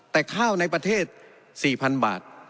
แต่ข้าวในประเทศ๔๐๐๐บาท